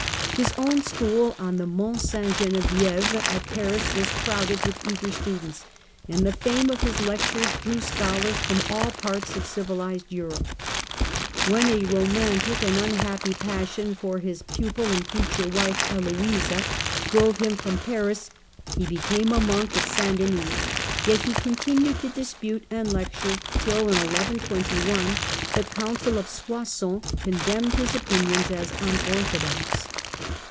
His own school on the Mont Ste Genevieve at Paris was crowded with eager students, and the fame of his lectures drew scholars from all parts of civilized Europe. When a romantic and unhappy passion for his pupil and future wife Heloisa drove him from Paris, he became a monk at St Denis, yet he continued to dispute and lecture, till in 1121 the Council of Soissons condemned his opinions as unorthodox.